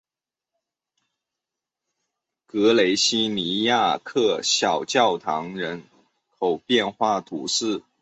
格雷西尼亚克小教堂人口变化图示